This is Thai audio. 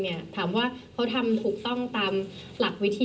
เธออยากให้ชี้แจ่งความจริง